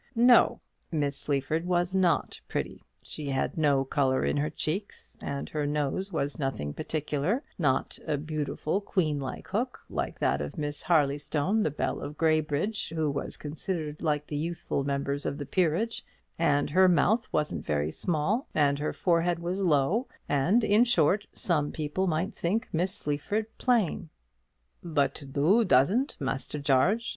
No; Miss Sleaford was not pretty. She had no colour in her cheeks, and her nose was nothing particular, not a beautiful queenlike hook, like that of Miss Harleystone, the belle of Graybridge, who was considered like the youthful members of the peerage, and her mouth wasn't very small, and her forehead was low; and, in short, some people might think Miss Sleaford plain. "But thoo doesn't, Master Jarge!"